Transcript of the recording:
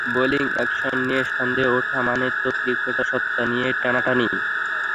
Bowling action নিয়ে সন্দেহ ওঠা মানে তো ক্রিকেটার সত্তা নিয়েই টানাটানি।